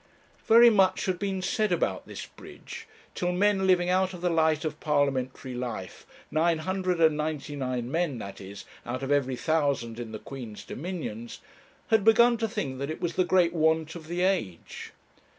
Very much had been said about this bridge, till men living out of the light of parliamentary life, nine hundred and ninety nine men, that is, out of every thousand in the Queen's dominions, had begun to think that it was the great want of the age.